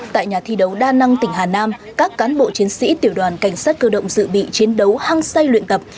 tại nhà thi đấu đa năng tỉnh hà nam các cán bộ chiến sĩ tiểu đoàn cảnh sát cơ động dự bị chiến đấu hăng say luyện tập